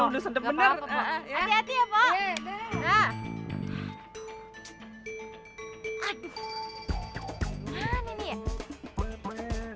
tersenyum udah sedap bener